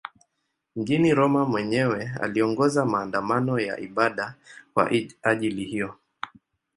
Mjini Roma mwenyewe aliongoza maandamano ya ibada kwa ajili hiyo.